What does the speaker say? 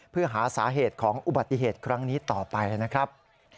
เพื่อหาสาเหตุของอุบัติเหตุครั้งนี้ต่อไปนะครับ